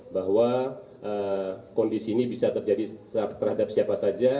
bahwa kondisi ini bisa terjadi terhadap siapa saja